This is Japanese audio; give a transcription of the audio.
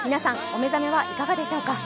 お目覚めはいかがでしょうか。